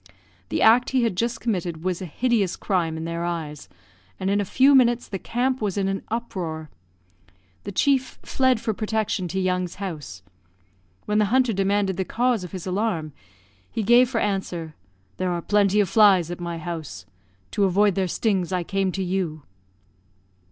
The act he had just committed was a hideous crime in their eyes, and in a few minutes the camp was in an uproar. The chief fled for protection to Young's house. When the hunter demanded the cause of his alarm, he gave for answer, "There are plenty of flies at my house. To avoid their stings I came to you."